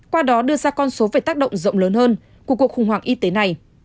qua đó đưa ra con số về tác động rộng lớn hơn của cuộc khủng hoảng y tế này